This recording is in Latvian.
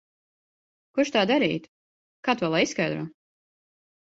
Kurš tā darītu? Kā to lai izskaidro?